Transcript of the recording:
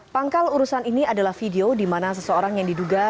pangkal urusan ini adalah video di mana seseorang yang diduga